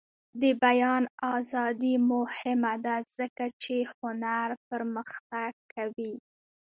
د بیان ازادي مهمه ده ځکه چې هنر پرمختګ کوي.